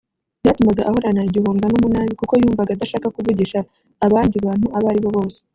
Byatumaga ahorana igihunga n’umunabi kuko yumvaga adashaka kuvugisha abandi bantu abo ari bo bose